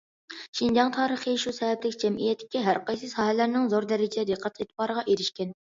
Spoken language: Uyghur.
شىنجاڭ تارىخى شۇ سەۋەبلىك جەمئىيەتتىكى ھەرقايسى ساھەلەرنىڭ زور دەرىجىدە دىققەت ئېتىبارىغا ئېرىشكەن.